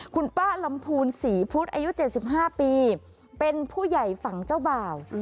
คุณป้าลำพูนศรีพุทธอายุ๗๕ปีเป็นผู้ใหญ่ฝั่งเจ้าบ่าว